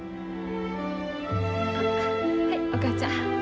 はいお母ちゃん。